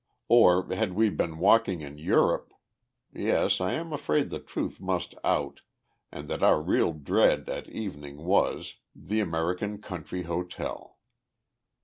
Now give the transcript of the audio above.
Or, had we been walking in Europe ... yes, I am afraid the truth must out, and that our real dread at evening was the American country hotel.